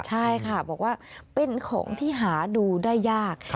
ใช่ค่ะบอกว่าเป็นของที่หาดูได้ยาก